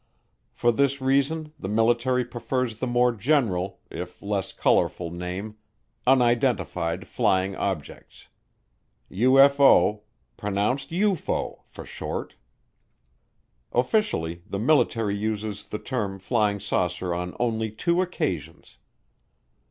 For this reason the military prefers the more general, if less colorful, name: unidentified flying objects. UFO (pronounced Yoo foe) for short. Officially the military uses the term "flying saucer" on only two occasions.